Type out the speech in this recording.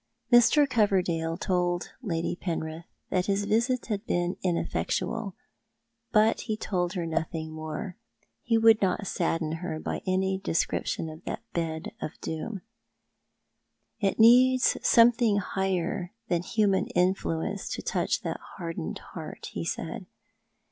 Mr. Covcrdale toUl Lady Penrith that his visit had been ineffectual, but he told her nothing more. lie would not sadden her by any description of that bed of doom. " It needs something higher than human influence to touch that hardened heart," he said.